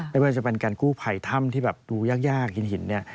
ไม่ว่าจะเป็นการกู้ภัยถ้ำที่แบบดูยากหินเนี่ย